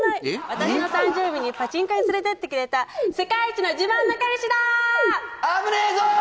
私の誕生日にパチンコに連れてってくれた世界一の自慢の彼氏だ！